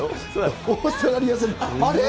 オーストラリア戦、あれ？